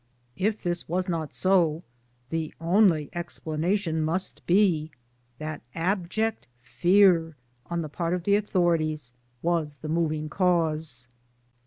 If this was not so the only explanation must be that abject fear, on the part of the authorities, was the moving cause.